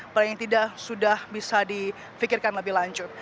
paling tidak sudah bisa di fikirkan lebih lanjut